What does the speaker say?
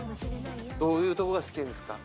どういうとこが好きですか？